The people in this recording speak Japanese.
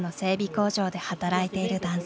工場で働いている男性。